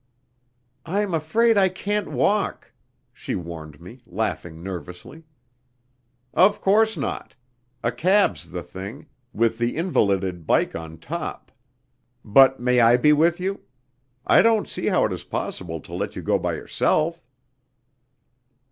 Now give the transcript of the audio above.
"I'm afraid I can't walk!" she warned me, laughing nervously. "Of course not. A cab's the thing, with the invalided bike on top. But may I be with you? I don't see how it is possible to let you go by yourself."